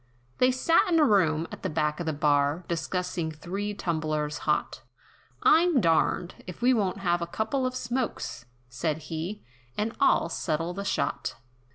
They sat in a room, at the back of the bar, Discussing three tumblers hot, "I'm darned, if we won't have a couple of smokes!" Said he, "And I'll settle the shot."